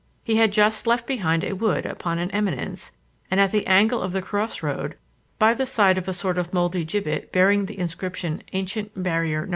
He had just left behind a wood upon an eminence; and at the angle of the crossroad, by the side of a sort of mouldy gibbet bearing the inscription _Ancient Barrier No.